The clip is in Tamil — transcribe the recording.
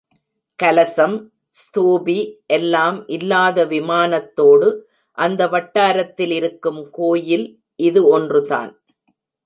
கலசம், ஸ்தூபி எல்லாம் இல்லாத விமானத்தோடு அந்த வட்டாரத்தில் இருக்கும் கோயில் இது ஒன்றுதான்.